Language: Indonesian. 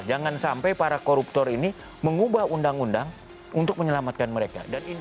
jangan sampai para koruptor ini mengubah undang undang untuk menyelamatkan mereka